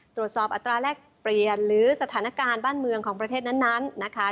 อัตราแรกเปลี่ยนหรือสถานการณ์บ้านเมืองของประเทศนั้นนะคะ